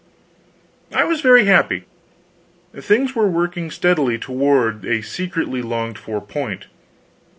I was very happy. Things were working steadily toward a secretly longed for point.